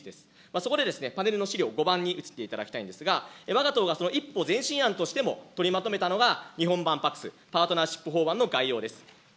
そこでパネルの資料５番に移っていただきたいんですが、わが党がその一歩前進案としても取りまとめたのが日本版パクス、パートナーシップ法案の概要です。